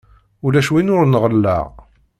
Ulac win ur nɣelleḍ.